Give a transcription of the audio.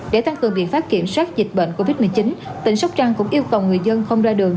để tăng cường biện pháp kiểm soát dịch bệnh covid một mươi chín tỉnh sóc trăng cũng yêu cầu người dân không ra đường